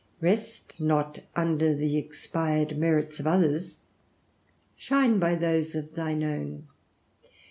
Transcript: Rest not under the expired merits of others; shine by those of thine own.